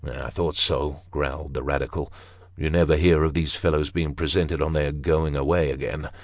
" I thought so," growled the Radical ;" you never hear of these fellows being presented on their going away again.